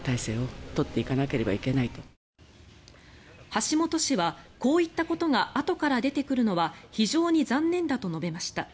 橋本氏はこういったことがあとから出てくるのは非常に残念だと述べました。